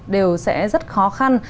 đều sẽ rất khó khăn